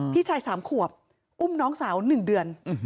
พี่ชายสามขวบอุ้มน้องสาวหนึ่งเดือน